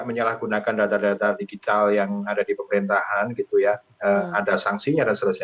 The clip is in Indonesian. menyalahgunakan data data digital yang ada di pemerintahan gitu ya ada sanksinya dan sebagainya